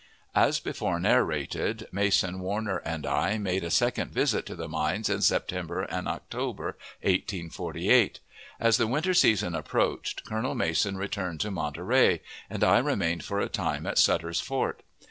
As before narrated, Mason, Warner, and I, made a second visit to the mines in September and October, 1848. As the winter season approached, Colonel Mason returned to Monterey, and I remained for a time at Sutter's Fort.